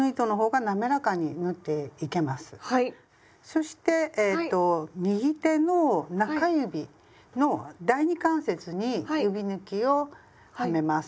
そしてえっと右手の中指の第二関節に指ぬきをはめます。